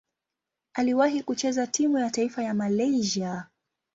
Aliwahi kucheza timu ya taifa ya Malaysia.